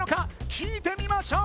聴いてみましょう